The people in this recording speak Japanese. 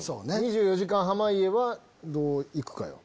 『２４時間』濱家はどう行くかよ。